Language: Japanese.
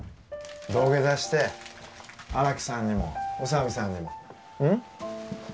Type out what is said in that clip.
土下座して荒木さんにも宇佐美さんにもうん？